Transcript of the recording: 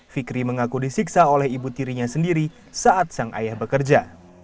fikri mengaku disiksa oleh ibu tirinya sendiri saat sang ayah bekerja